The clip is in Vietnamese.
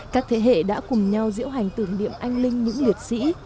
các thế hệ đã cùng nhau diễu hành tưởng niệm anh linh những liệt sĩ